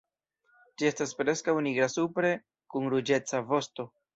Ĝi estas preskaŭ nigra supre kun ruĝeca vosto.